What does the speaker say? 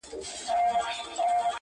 یو په بل کي ورکېدلای.!